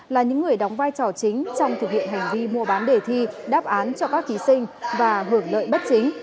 là những người đóng vai trò chính trong thực hiện hành vi mua bán đề thi đáp án cho các thí sinh và hưởng lợi bất chính